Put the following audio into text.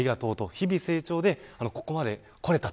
日々成長で、ここまでこれたと。